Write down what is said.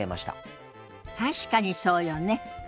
確かにそうよね。